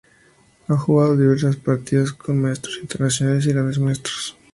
Ha jugado diversas partidas con Maestros Internacionales y Grandes Maestros.